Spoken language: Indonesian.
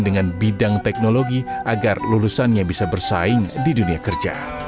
dengan bidang teknologi agar lulusannya bisa bersaing di dunia kerja